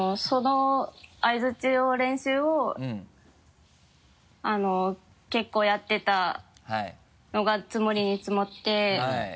その相槌の練習を結構やっていたのが積もりに積もって。